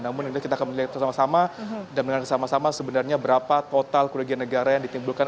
namun ini kita akan melihat bersama sama dan melihat sama sama sebenarnya berapa total kerugian negara yang ditimbulkan